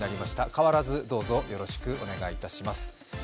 変わらずどうぞよろしくお願いします。